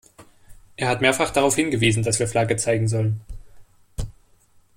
Er hat mehrfach darauf hingewiesen, dass wir Flagge zeigen sollen.